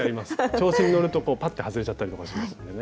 調子に乗るとパッて外れちゃったりとかしますんでね。